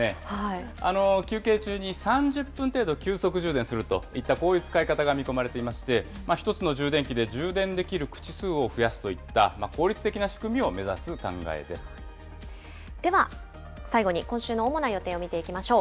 休憩中に３０分程度急速充電するといったこういう使い方が見込まれていまして、１つの充電器で充電できる口数を増やすといった効では最後に、今週の主な予定を見ていきましょう。